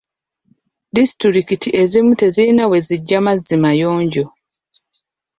Disitulikiti ezimu tezirina we zijja mazzi mayonjo.